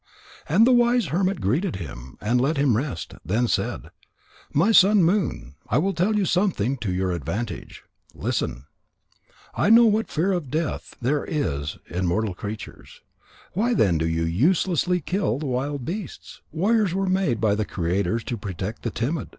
And the wise hermit greeted him and let him rest, then said: "My son Moon, I will tell you something to your advantage. Listen. I know what fear of death there is in mortal creatures. Why then do you uselessly kill the wild beasts? Warriors were made by the Creator to protect the timid.